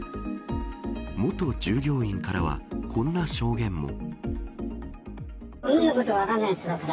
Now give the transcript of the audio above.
元従業員からはこんな証言も。